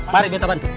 mari bento bantu